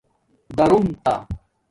دارݸم تہ